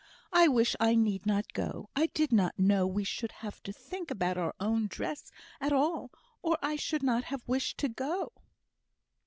I wish I need not go. I did not know we should have to think about our own dress at all, or I should not have wished to go."